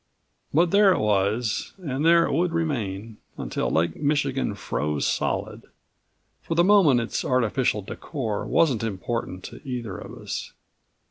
But there it was and there it would remain until Lake Michigan froze solid. For the moment its artificial decor wasn't important to either of us.